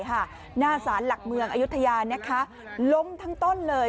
หน้าสารหลักเมืองอายุทยาล้มทั้งต้นเลย